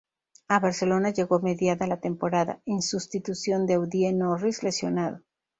A Barcelona llegó mediada la temporada, en sustitución de Audie Norris, lesionado.